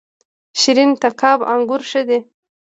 شیرین تګاب انګور ښه دي؟